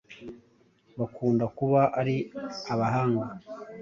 bakunda kuba ari abahanga,